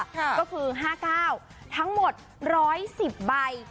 ก็คือ๕๙ทั้งหมด๑๑๐ใบ